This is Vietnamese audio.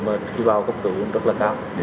mà khi vào cấp cứu cũng rất là cao